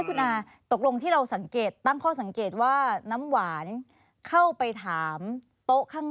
คุณอาตกลงที่เราสังเกตตั้งข้อสังเกตว่าน้ำหวานเข้าไปถามโต๊ะข้าง